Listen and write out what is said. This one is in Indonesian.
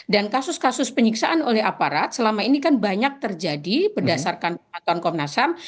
dan kasus kasus penyiksaan oleh aparat selama ini kan banyak terjadi berdasarkan peraturan komnas ham